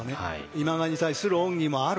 今川に対する恩義もある。